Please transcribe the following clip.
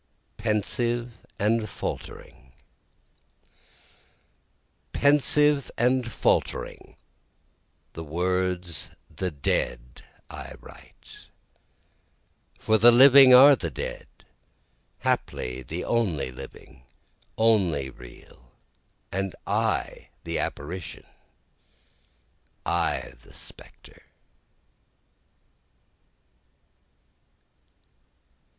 Pensive and Faltering Pensive and faltering, The words the Dead I write, For living are the Dead, (Haply the only living, only real, And I the apparition, I the spectre.)